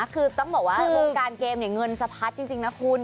คือต้องบอกว่าวงการเกมเงินสะพัดจริงนะคุณ